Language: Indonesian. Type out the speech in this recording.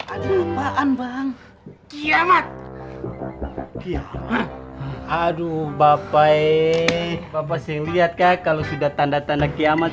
ada apaan bang kiamat kiamat aduh bapak eh bapak sih lihat kak kalau sudah tanda tanda kiamat